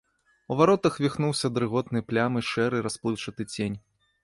У варотах віхнуўся дрыготнай плямай шэры расплыўчаты цень.